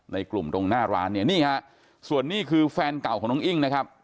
ในกลุ่มตรงหน้าร้านเนี่ยนี่ฮะส่วนนี้คือแฟนเก่าของน้องอิ้งนะครับ